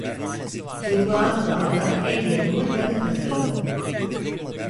Turkuaz Dağ'da el yapımı takı tasarımı okudu.